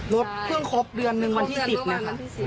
รถเพิ่งครบเดือนหนึ่งวันที่๑๐นะคะ